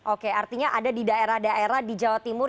oke artinya ada di daerah daerah di jawa timur